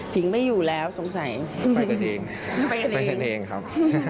ไม่อยู่แล้วสงสัยไปกันเองไปกันเองครับ